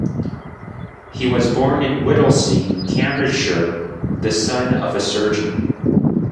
He was born in Whittlesey, Cambridgeshire, the son of a surgeon.